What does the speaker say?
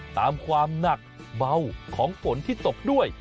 ตามความหนักเบาของฝนที่ตกด้วย